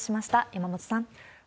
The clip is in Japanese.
山本さん。